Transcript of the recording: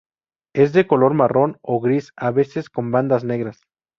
Es de color marrón o gris, a veces con bandas negras.